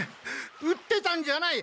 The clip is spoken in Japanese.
売ってたんじゃない！